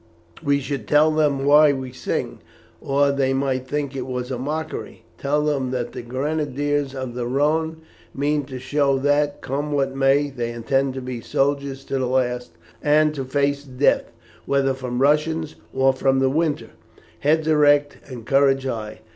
We should tell them why we sing, or they might think it was a mockery. Tell them that the Grenadiers of the Rhone mean to show that, come what may, they intend to be soldiers to the last, and to face death, whether from the Russians or from the winter, heads erect and courage high.